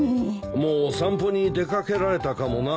もうお散歩に出掛けられたかもな。